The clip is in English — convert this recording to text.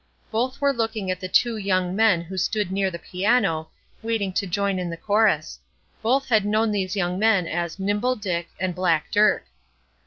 Both were looking at the two young men who stood near the piano, waiting to join in the chorus. Both had known these young men as "Nimble Dick" and "Black Dirk."